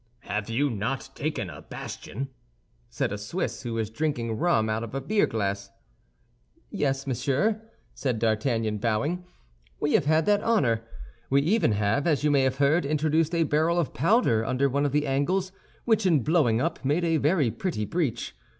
"Have you not taken a bastion?" said a Swiss, who was drinking rum out of a beer glass. "Yes, monsieur," said D'Artagnan, bowing, "we have had that honor. We even have, as you may have heard, introduced a barrel of powder under one of the angles, which in blowing up made a very pretty breach.